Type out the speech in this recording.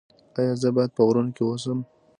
ایا زه باید په غرونو کې اوسم؟